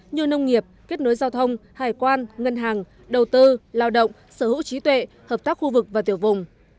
như nông nghiệp kết nối giao thông hải quan ngân hàng đầu tư lao động sở hữu trí tuệ hợp tác khu vực và tiểu vùng